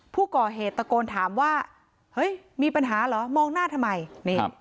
ผู้ก่อเหตุตะโกนถามว่าเฮ้ยมีปัญหาเหรอมองหน้าทำไมนี่